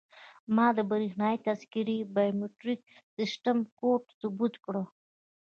ما د بریښنایي تذکیرې بایومتریک سیستم ګوته ثبت کړه.